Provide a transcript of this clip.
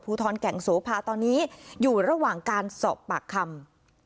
ทรแก่งโสภาตอนนี้อยู่ระหว่างการสอบปากคำ